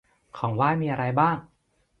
ของไหว้มีอะไรบ้าง